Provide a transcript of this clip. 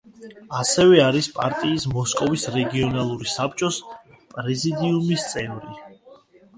ასევე არის პარტიის მოსკოვის რეგიონალური საბჭოს პრეზიდიუმის წევრი.